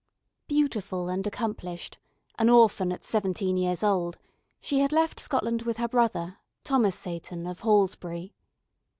Beautiful and accomplished, an orphan at seventeen years old, she had left Scotland with her brother, Thomas Seyton of Halsbury.